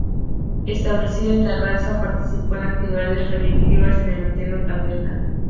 Establecida en Tarrasa, participó en actividades reivindicativas en el Ateneo Candela.